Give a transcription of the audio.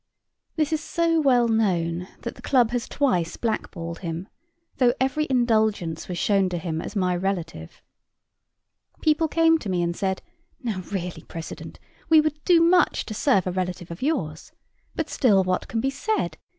This is so well known, that the club has twice blackballed him, though every indulgence was shown to him as my relative. People came to me and said "Now really, President, we would do much to serve a relative of yours. But still, what can be said?